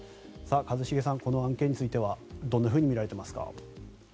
一茂さん、この案件についてはどう見られていますか？